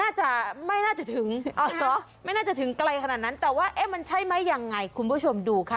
น่าจะไม่น่าจะถึงไม่น่าจะถึงไกลขนาดนั้นแต่ว่าเอ๊ะมันใช่ไหมยังไงคุณผู้ชมดูค่ะ